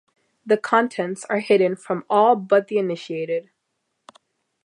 The contents are hidden from all but the initiated.